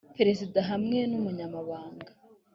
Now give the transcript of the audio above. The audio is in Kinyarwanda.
perezida hamwe n umunyamabanga